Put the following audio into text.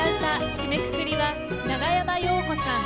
締めくくりは長山洋子さん